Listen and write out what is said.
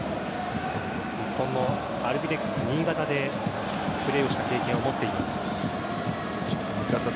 日本のアルビレックス新潟でプレーをした経験を持っています。